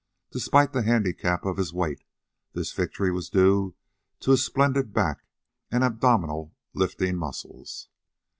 Despite the handicap of his weight, this victory was due to his splendid back and abdominal lifting muscles.